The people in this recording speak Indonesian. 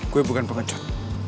gue bukan pengecut